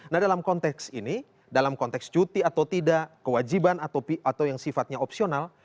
nah dalam konteks ini dalam konteks cuti atau tidak kewajiban atau yang sifatnya opsional